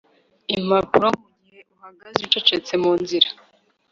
impapuro mugihe uhagaze ucecetse munzira